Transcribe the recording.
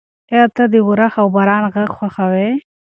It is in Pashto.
ایا ته د اورښت او باران غږ خوښوې؟